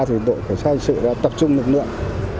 thì đội cảnh sát hình sự đã tập trung lực lượng